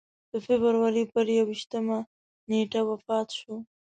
د فبروري پر یوویشتمه نېټه وفات شو.